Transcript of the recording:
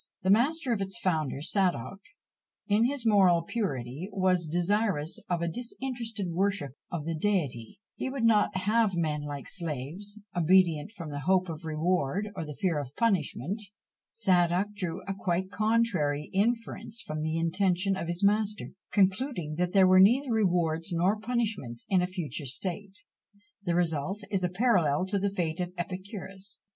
The master of its founder Sadoc, in his moral purity, was desirous of a disinterested worship of the Deity; he would not have men like slaves, obedient from the hope of reward or the fear of punishment. Sadoc drew a quite contrary inference from the intention of his master, concluding that there were neither rewards nor punishments in a future state. The result is a parallel to the fate of Epicurus.